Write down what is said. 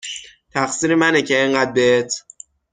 تقصیر منه که اِنقد بهت